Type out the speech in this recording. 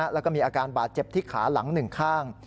แล้วก็มีอาการบาดเจ็บที่ขาหลังหนึ่งข้าง